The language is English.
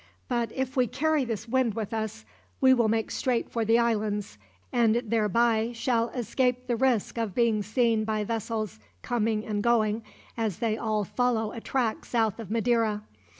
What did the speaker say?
But if we carry this wind with us, we will make straight for the islands, and thereby shall escape the risk of being seen by vessels coming and going, as they all follow a track south of Madeira.